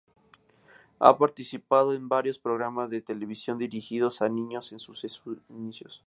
Ha participado en varios programas de televisión dirigidos a niños en sus inicios.